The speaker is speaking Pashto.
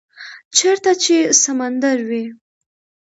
- چیرته چې سمندر وی،